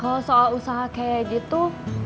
kalau soal usaha kayak gitu